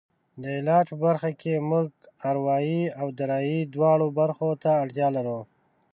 د علاج په برخه کې موږ اروایي او دارویي دواړو برخو ته اړتیا لرو.